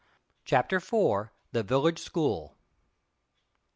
*Chapter IV.* *THE VILLAGE SCHOOL.